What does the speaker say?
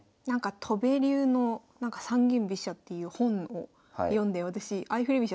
戸辺流の三間飛車っていう本を読んで私相振り飛車